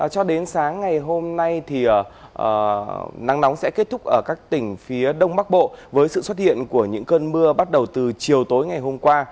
cho đến sáng ngày hôm nay thì nắng nóng sẽ kết thúc ở các tỉnh phía đông bắc bộ với sự xuất hiện của những cơn mưa bắt đầu từ chiều tối ngày hôm qua